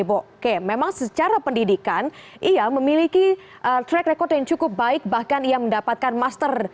oke memang secara pendidikan ia memiliki track record yang cukup baik bahkan ia mendapatkan master